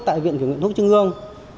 tại viện kiểm nguyện thuốc trưng hương